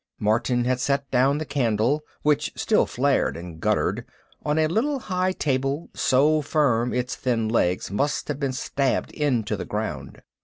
Martin had set down the candle, which still flared and guttered, on a little high table so firm its thin legs must have been stabbed into the ground.